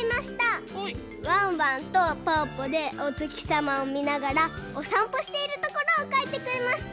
ワンワンとぽぅぽでおつきさまをみながらおさんぽしているところをかいてくれました。